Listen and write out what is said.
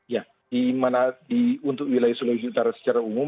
ya untuk wilayah sulawesi utara secara umum